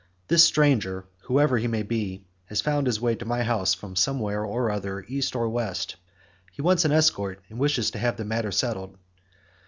This stranger, whoever he may be, has found his way to my house from somewhere or other either East or West. He wants an escort and wishes to have the matter settled.